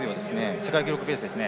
世界記録ペースですね。